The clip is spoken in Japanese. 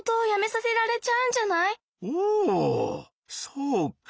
そうか。